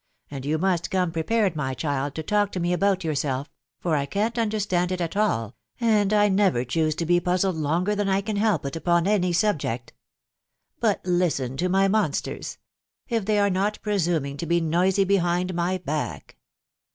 ..• And you must come prepared, my child, to talk to me about yourself .... for I can't understand it at all .... and I never choose to be puzzled longer than I can help it upon any subject. •.. But listen to my monsters ! If they an not presuming to be noisy behind my back